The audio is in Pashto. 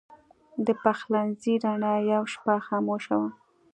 د پخلنځي رڼا یوه شپه خاموشه وه.